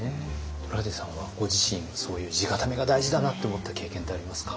トラウデンさんはご自身そういう地固めが大事だなって思った経験ってありますか？